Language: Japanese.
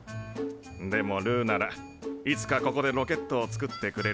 でもルーならいつかここでロケットを作ってくれる。